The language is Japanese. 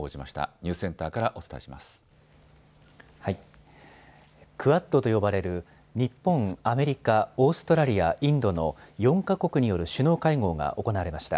ニュースセンターからお伝えしまクアッドと呼ばれる日本、アメリカ、オーストラリア、インドの４か国による首脳会合が行われました。